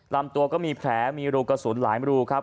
ลำตัวก็มีแผลมีรูกระสุนหลายมรูครับ